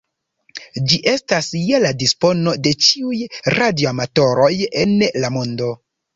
Ĝi estas je la dispono de ĉiuj radioamatoroj en la mondo.